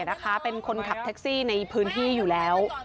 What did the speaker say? นะคะเป็นคนขับแท็กซี่ในพื้นที่อยู่แล้ว